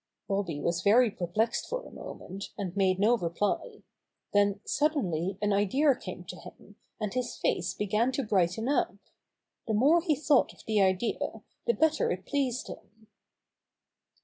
Bobby was very perplexed for a moment, and made no reply. Then suddenly an idea came to him, and his face began to brighten up. The more he thought of the idea the bet ter it pleased him.